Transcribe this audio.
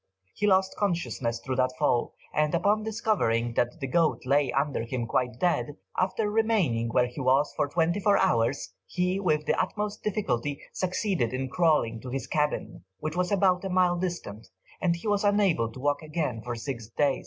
He lost consciousness through that fall, and upon discovering that the goat lay under him quite dead, after remaining where he was for twenty four hours, he with the utmost difficulty succeeded in crawling to his cabin, which was about a mile distant; and he was unable to walk again for six days.